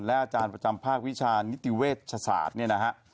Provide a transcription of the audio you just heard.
อาจารย์ประจำภาควิชานิติเวชศาสตร์เนี่ยนะฮะ